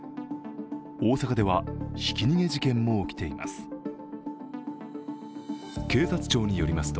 大阪ではひき逃げ事件も起きています。